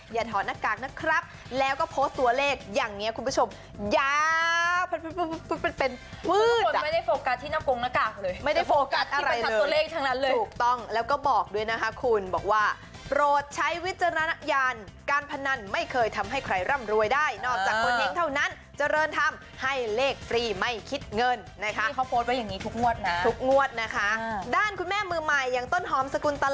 อย่าถอดหน้ากากนะครับแล้วก็โพสต์ตัวเลขอย่างงี้คุณผู้ชม